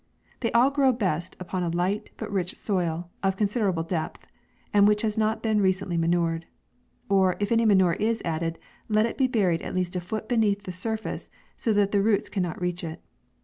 They all grow best upon a light, but rich soil, of considerable depth, and which has not been recently ma nured. Or, if any manure is added, let it be buried at least a foot beneath the surface, so that the roots cannot reach it.